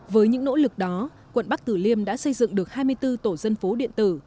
với những nỗ lực đó quận bắc tử liêm đã xây dựng được hai mươi bốn tổ dân phố điện tử